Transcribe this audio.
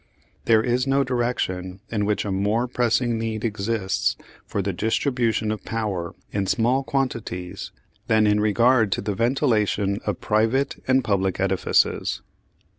There is no direction in which a more pressing need exists for the distribution of power in small quantities than in regard to the ventilation of private and public edifices.